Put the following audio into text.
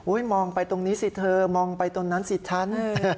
มองไปตรงนี้สิเธอมองไปตรงนั้นสิฉัน